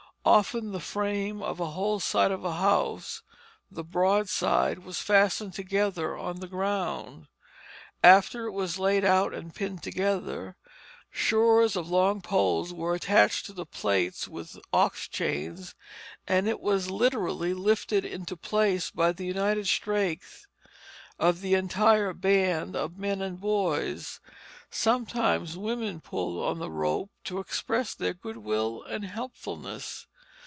Often the frame of a whole side of a house the broadside was fastened together on the ground. After it was laid out and pinned together, shores of long poles were attached to the plates with ox chains, and it was literally lifted into place by the united strength of the entire band of men and boys. Sometimes women pulled on the rope to express their good will and helpfulness.